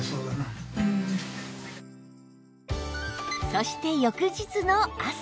そして翌日の朝